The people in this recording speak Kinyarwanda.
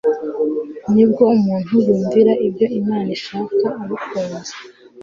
Nibwo umuntu yumvira ibyo Imana ishaka abikunze;